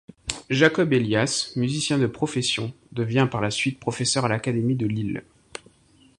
Jacob Elias, musicien de profession, devient par la suite professeur à l'Académie de Lille.